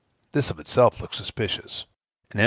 This of itself looks suspicious; and M.